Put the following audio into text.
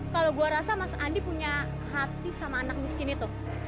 kalau gue rasa mas andi punya hati sama anak miskin itu